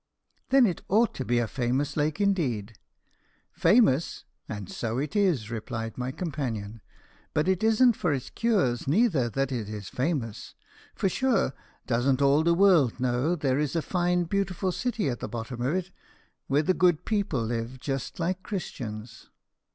"Then it ought to be a famous lake indeed." "Famous, and so it is," replied my companion, "but it isn't for its cures neather that it is famous; for, sure, doesn't all the world know there is a fine beautiful city at the bottom of it, where the good people live just like Christians.